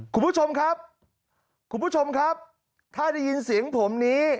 คุณผู้ชมครับคุณผู้ชมครับถ้าได้ยินเสียงผมนี้